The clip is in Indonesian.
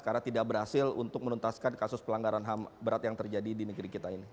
karena tidak berhasil untuk menuntaskan kasus pelanggaran ham berat yang terjadi di negeri kita ini